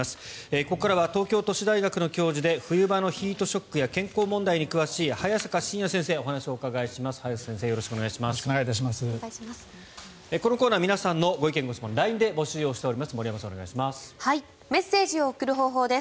ここからは東京都市大学の教授で冬場のヒートショックや健康問題に詳しい早坂信哉先生にお話をお伺いします。